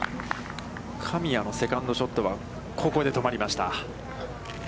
神谷のセカンドショットは、ここで止まりました。